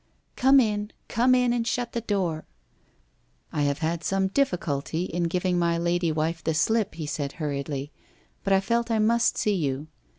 ' Come in ! Come in, and shut the door.' * I have had some difficulty in giving my lady wife the slip/ he said hurriedly, ' but I felt I must see you.